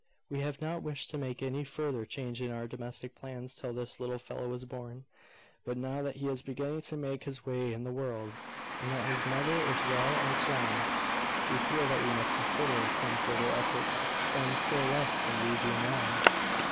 We have not wished to make any further change in our domestic plans till this little fellow was born. But now that he is beginning to make his way in the world, and that his mother is well and strong, we feel that we must consider of some further effort to spend still less than we do now."